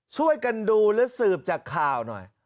ช่วยกันดูและสืบจากข่าวหน่อย